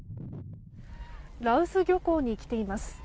羅臼漁港に来ています。